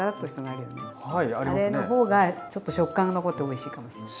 あれの方がちょっと食感が残っておいしいかもしれない。